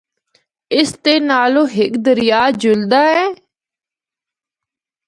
اس دے نالو ہک دریا جُلدا اے۔